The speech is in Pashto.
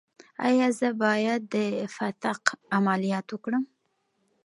ایا زه باید د فتق عملیات وکړم؟